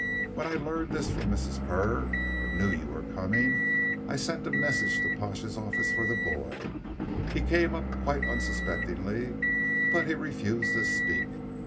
"When I learned this from Mrs. Purr and knew you were coming, I sent a message to Pash's office for the boy. He came up quite unsuspectingly, but he refused to speak.